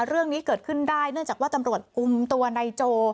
เรื่องนี้เกิดขึ้นได้เนื่องจากว่าตำรวจคุมตัวนายโจ